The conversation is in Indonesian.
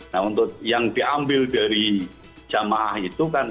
nah untuk yang diambil dari jamaah itu kan tiga puluh sembilan delapan